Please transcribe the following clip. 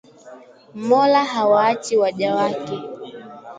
Mola hawaachi waja wake